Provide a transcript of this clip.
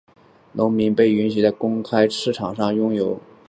农民被允许在公开市场上拥有土地并出售农作物。